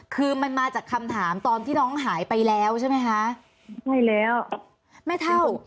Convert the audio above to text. คือมันมาจากคำถามตอนที่น้องหายไปแล้วใช่ไหมคะไม่แล้วแม่เท่า